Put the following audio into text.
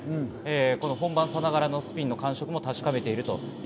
本番さながらのスピンの感触も確かめています。